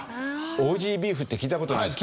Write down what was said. オージービーフって聞いた事ないですか？